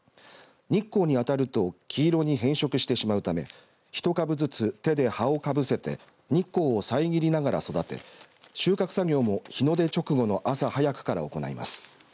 日光に当たると黄色に変色してしまうため１株ずつ手で葉をかぶせて日光を遮りながら育て収穫作業も日の出直後の朝早くから行います。